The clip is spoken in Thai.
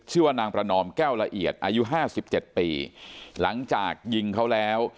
ชื่อว่านางประนอมแก้วละเอียดอายุห้าสิบเจ็ดปีหลังจากยิงเขาแล้ว